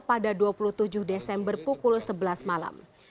pada dua puluh tujuh desember pukul sebelas malam